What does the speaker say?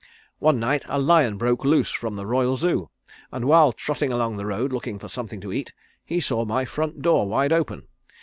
One night a lion broke loose from the Royal Zoo, and while trotting along the road looking for something to eat he saw my front door wide open.